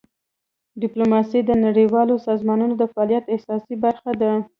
ډیپلوماسي د نړیوالو سازمانونو د فعالیت اساسي برخه ده.